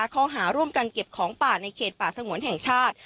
ข้อหาร่วมกันเก็บของป่าในเขตป่าสงวนแห่งชาติ